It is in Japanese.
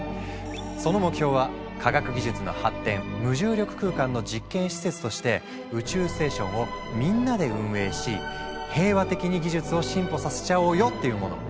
その目標は科学技術の発展無重力空間の実験施設として宇宙ステーションをみんなで運営し平和的に技術を進歩させちゃおうよっていうもの。